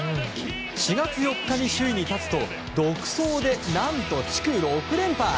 ４月４日に首位に立つと独走で何と地区６連覇。